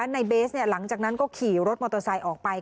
เบสหลังจากนั้นก็ขี่รถมอเตอร์ไซค์ออกไป